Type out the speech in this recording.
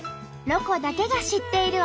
「ロコだけが知っている」。